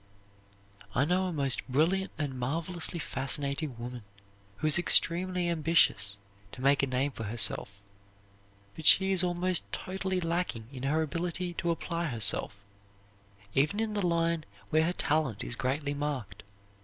I know a most brilliant and marvelously fascinating woman who is extremely ambitious to make a name for herself, but she is almost totally lacking in her ability to apply herself, even in the line where her talent is greatly marked.